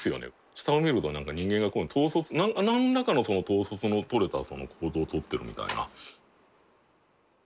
下を見ると何か人間が統率何らかの統率の取れた行動取ってるみたいな。